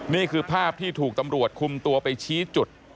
นี่คือภาพที่ถูกตำรวจคุมตัวไปชี้จุด